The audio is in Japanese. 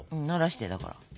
ならしてだから。